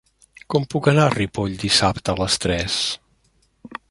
Com puc anar a Ripoll dissabte a les tres?